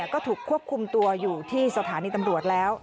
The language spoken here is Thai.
ก็ถูกควบคุมตัวอยู่ที่สถานีตำรวจแล้ว